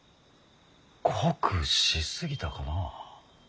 濃くし過ぎたかな。